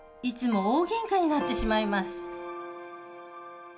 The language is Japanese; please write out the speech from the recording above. いつも大げんかになってしまいます